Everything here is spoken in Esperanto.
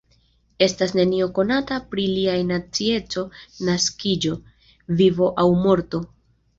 Estas nenio konata pri liaj nacieco, naskiĝo, vivo aŭ morto.